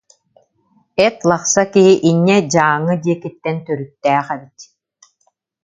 Эт лахса киһи инньэ Дьааҥы диэкиттэн төрүттээх эбит